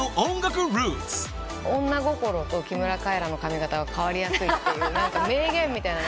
女心と木村カエラの髪形は変わりやすいっていう名言みたいなのがあって。